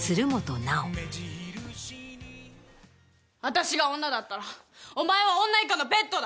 私が女だったらお前は女以下のペットだ！